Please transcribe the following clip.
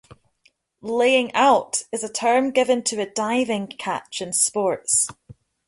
"Laying Out" is a term given to a diving catch in sports.